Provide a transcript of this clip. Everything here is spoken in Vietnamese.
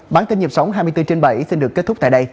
bản tin nhịp sống hai mươi bốn trên bảy xin được kết thúc tại đây